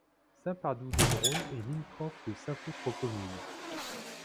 Saint-Pardoux-de-Drône est limitrophe de cinq autres communes.